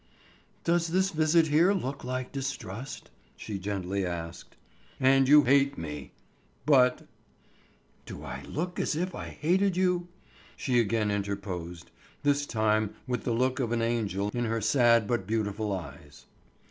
"Does this visit here look like distrust?" she gently asked. "And you hate me! But——" "Do I look as if I hated you?" she again interposed, this time with the look of an angel in her sad but beautiful eyes.